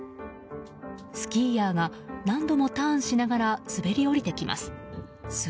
スキーヤーが何度もターンしながら滑り降りてきます。